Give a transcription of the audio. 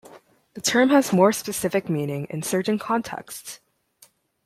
The term has more specific meaning in certain contexts.